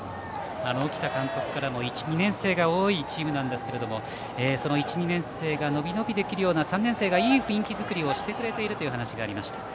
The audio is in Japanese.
沖田監督からも１、２年生が多いチームなんですけどもその１、２年生がのびのびできるような３年生がいい雰囲気作りをしてくれているという話がありました。